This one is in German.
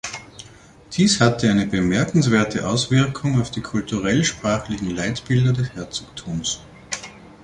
Dies hatte eine bemerkenswerte Auswirkung auf die kulturell-sprachlichen Leitbilder des Herzogtums.